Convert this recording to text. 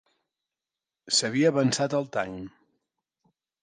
S'havia avançat al Time.